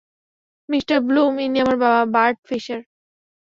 Mr Bloom, ইনি আমার বাবা, বার্ট ফিশার।